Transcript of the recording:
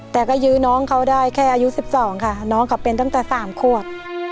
แต่ก็ยื้อน้องเขาได้แค่อายุ๑๒ค่ะน้องเขาเป็นตั้งแต่๓ขวบ